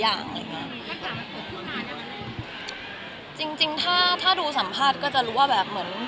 ถ้าอยากมาส่งผู้หญิงอะไรอย่างนั้นจริงถ้าดูสัมภาษณ์ก็จะรู้ว่าแบบ